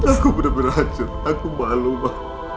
aku benar benar hajar aku malu ma